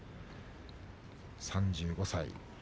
３５歳。